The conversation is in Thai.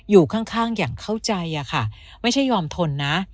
อยู่ข้างอย่างเข้าใจอะค่ะไม่ใช่ยอมทนนะ